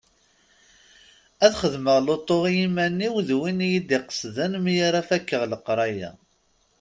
Ad xedmeɣ lutu i yiman-iw d win iyi-id-iqesden mi ara fakeɣ leqraya.